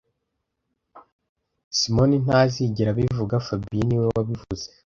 Simoni ntazigera abivuga fabien niwe wabivuze